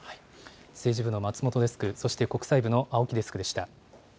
政治部の松本デスク、国際部の青木デスクでした。